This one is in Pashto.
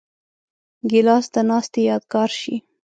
ګیلاس د ناستې یادګار شي.